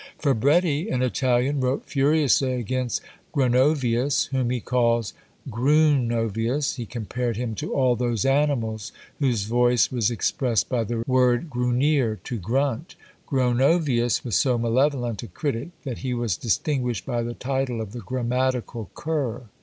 Fabretti, an Italian, wrote furiously against Gronovius, whom he calls Grunnovius: he compared him to all those animals whose voice was expressed by the word Grunnire, to grunt. Gronovius was so malevolent a critic, that he was distinguished by the title of the "Grammatical Cur."